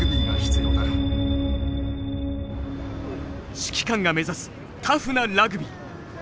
指揮官が目指すタフなラグビー。